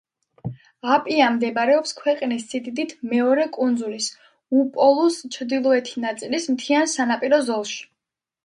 აპია მდებარეობს ქვეყნის სიდიდით მეორე კუნძულის, უპოლუს ჩრდილოეთი ნაწილის მთიან სანაპირო ზოლში.